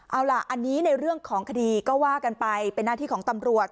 เอาล่ะอันนี้ในเรื่องของคดีก็ว่ากันไปเป็นหน้าที่ของตำรวจ